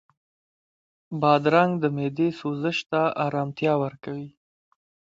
بادرنګ د معدې سوزش ته ارامتیا ورکوي.